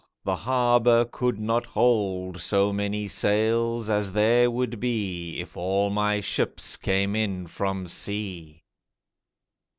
the harbour could not hold So many sails as there would be If all my ships came in from sea.